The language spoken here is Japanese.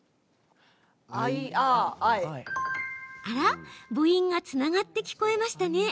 あら、母音がつながって聞こえましたね。